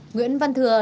nguyễn văn thừa